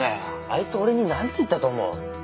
あいつ俺に何て言ったと思う？